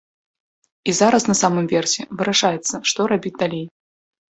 І зараз на самым версе вырашаецца, што рабіць далей.